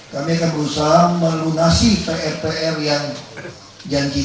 kami akan berusaha melunasi pr pr yang janji